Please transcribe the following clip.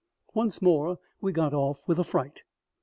Once more we got off with a fright.